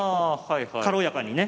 軽やかにね。